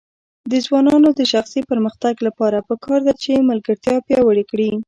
د ځوانانو د شخصي پرمختګ لپاره پکار ده چې ملګرتیا پیاوړې کړي.